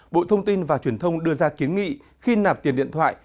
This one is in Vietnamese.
bộ thông tin và truyền thông đưa ra kiến nghị khi nạp tiền điện thoại